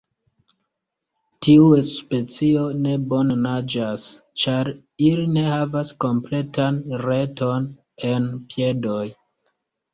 Tiu specio ne bone naĝas ĉar ili ne havas kompletan reton en piedoj.